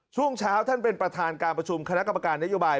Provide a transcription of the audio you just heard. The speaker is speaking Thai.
ช่วงเช้าท่านเป็นประธานการประชุมคณะกรรมการนโยบาย